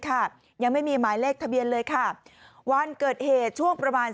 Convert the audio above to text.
ยังไม่มีหมายเลขทะเบียนเลยค่ะวันเกิดเหตุช่วงประมาณ